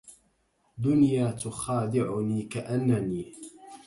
دنيا تخادعني كأننى